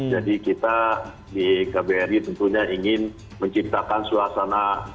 jadi kita di kbri tentunya ingin menciptakan suasana